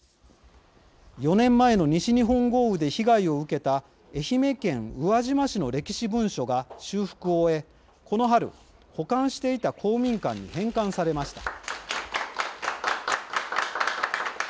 ４年前の西日本豪雨で被害を受けた、愛媛県宇和島市の歴史文書が修復を終えこの春、保管していた公民館に返還されました。